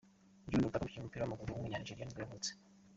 John Utaka, umukinnyi w’umupira w’amaguru w’umunyanigeriya nibwo yavutse.